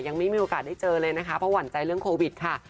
ยังไม่มีโอกาสได้เจอเลยนะคะเพราะหวั่นใจเรื่องโควิดค่ะ